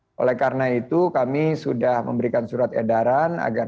nah oleh karena itu kami sudah memberikan surat edaran agar